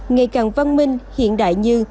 ngày càng văn minh hiện đại như